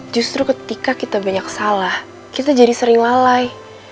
justru ketika kita banyak salah kita jadi sering lalai